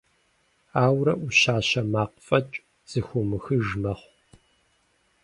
Ауэрэ ӏущащэ макъ фӏэкӏ зэхыумыхыж мэхъу.